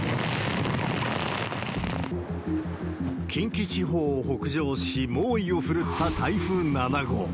近畿地方を北上し、猛威を振るった台風７号。